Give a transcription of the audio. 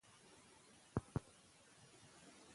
ایا د انلاین مشاعرو لپاره مخکې له مخکې تیاری نیول کیږي؟